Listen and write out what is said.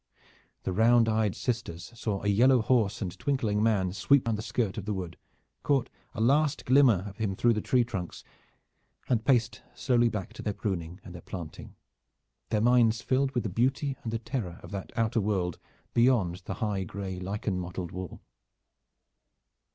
The round eyed sisters saw yellow horse and twinkling man sweep round the skirt of the wood, caught a last glimmer of him through the tree trunks, and paced slowly back to their pruning and their planting, their minds filled with the beauty and the terror of that outer world beyond the high gray lichen mottled wall.